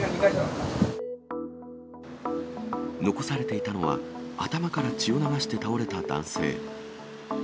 残されていたのは、頭から血を流して倒れた男性。